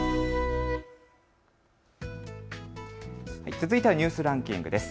続いてニュースランキングです。